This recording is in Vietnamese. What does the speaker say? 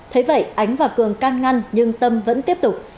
thế vậy ánh và cường can ngăn nhưng tâm vẫn tiếp tục